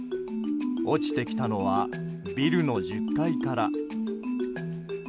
落ちてきたのはビルの１０階から。